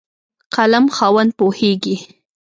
قلم خاوند پوهېږي.